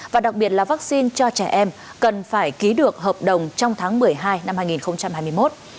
và đặc biệt là vaccine cho trẻ em cần phải ký được hợp đồng trong tháng một mươi hai năm hai nghìn hai mươi một